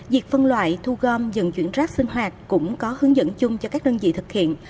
việc phân loại thu gom dận chuyển rác sinh hoạt cũng có hướng dẫn chung cho các đơn vị thực hiện